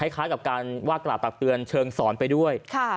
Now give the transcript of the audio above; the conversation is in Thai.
คล้ายกับการว่ากล่าวตักเตือนเชิงสอนไปด้วย